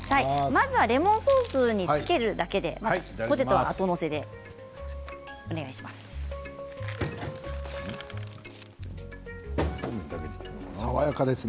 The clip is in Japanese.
まずはレモンソースにつけるだけでポテト、後載せでお願いします。